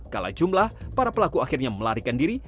kala jumlah para pelaku akhirnya melarikan diri